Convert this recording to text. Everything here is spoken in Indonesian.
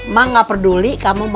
mak gak peduli kamu mau kemana